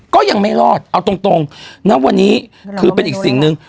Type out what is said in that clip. ก็ยังไม่รอดเอาตรงณวันนี้คือเป็นอีกสิ่งหนึ่ง